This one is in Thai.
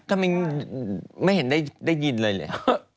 ก็ไม่เห็นได้ยินเลยเลย